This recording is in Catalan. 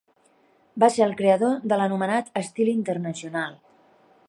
Va ser el creador de l'anomenat Estil Internacional.